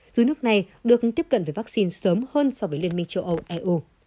dù nước này được tiếp cận với vaccine sớm hơn so với liên minh châu âu eu